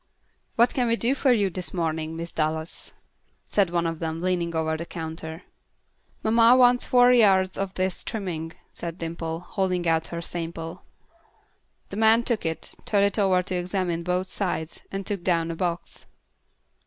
"What can we do for you this morning, Miss Dallas?" said one of them, leaning over the counter. "Mamma wants four yards of this trimming," said Dimple, holding out her sample. The man took it, turned it over to examine both sides, and took down a box.